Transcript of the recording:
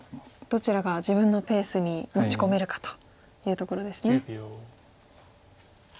どちらが自分のペースに持ち込めるかというところですね。